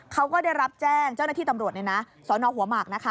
เขาก็ได้รับแจ้งเจ้าหน้าที่ตำรวจสนหัวหมากนะคะ